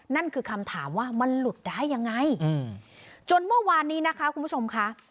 นั่นคือคำถามว่ามันหลุดได้ยังไงจนเมื่อวานนี้นะคะคุณผู้ชมค่ะ